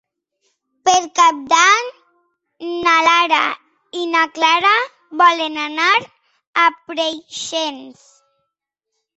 Per Cap d'Any na Lara i na Clara volen anar a Preixens.